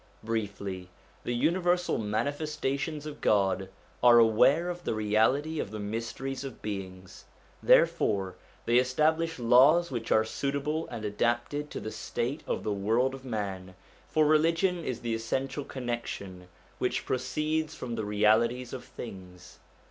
Briefly, the universal Manifestations of God are aware of the reality of the mysteries of beings, therefore they establish laws which are suitable and adapted to the state of the world of man ; for religion is the essential connection which proceeds from the realities of things.